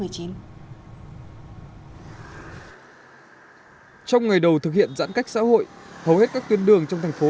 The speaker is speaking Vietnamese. trong ngày đầu thực hiện giãn cách xã hội hầu hết các tuyến đường trong thành phố